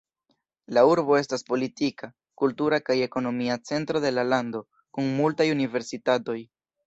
La urbo estas politika, kultura kaj ekonomia centro de la lando kun multaj universitatoj.